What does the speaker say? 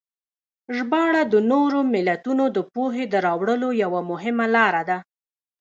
ژباړه د نورو ملتونو د پوهې د راوړلو یوه مهمه لاره ده.